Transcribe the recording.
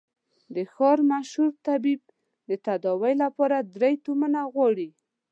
د ښار مشهور طبيب يې د تداوي له پاره درې تومنه غواړي.